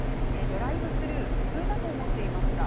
ドライブスルー普通だと思っていました。